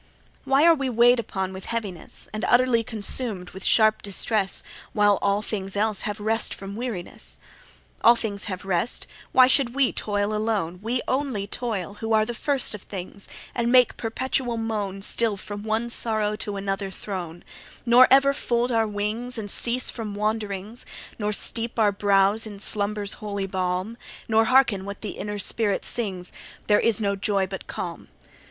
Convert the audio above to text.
2 Why are we weigh'd upon with heaviness, And utterly consumed with sharp distress, While all things else have rest from weariness? All things have rest: why should we toil alone, We only toil, who are the first of things, And make perpetual moan, Still from one sorrow to another thrown: Nor ever fold our wings, And cease from wanderings, Nor steep our brows in slumber's holy balm; Nor harken what the inner spirit sings, "There is no joy but calm!"